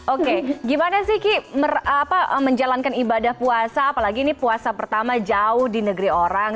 oke gimana sih ki menjalankan ibadah puasa apalagi ini puasa pertama jauh di negeri orang